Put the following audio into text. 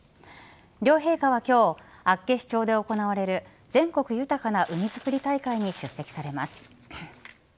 両陛下は今日、厚岸町で行われる全国豊かな海づくり大会に出席されます。